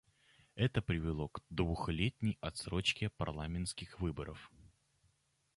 Это привело к двухлетней отсрочке парламентских выборов.